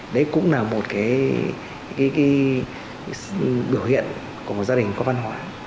đấy cũng là một cái biểu hiện của một gia đình có văn hóa